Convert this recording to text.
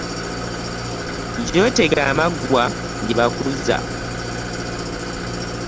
Gyotega amaggwa gye bakuzza ,